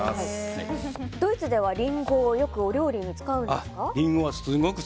ドイツではリンゴをよくお料理に使うんですか？